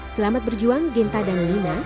selamat berjuang genta dan lina